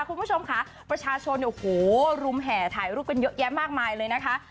คุณผู้ชมค่ะประชาชนโอ้โหรุมแห่ถ่ายรูปกันเยอะแยะมากมายเลยนะคะ